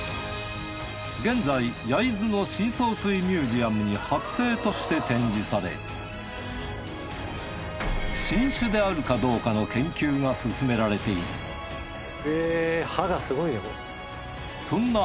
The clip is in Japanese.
現在焼津の深層水ミュージアムに剥製として展示され新種であるかどうかの研究が進められているへぇ歯がすごいねこれ。